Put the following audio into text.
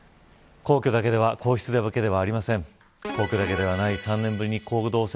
皇居だけでは皇室だけではありません。